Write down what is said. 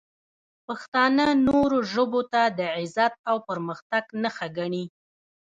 پښتانه نورو ژبو ته د عزت او پرمختګ نښه ګڼي.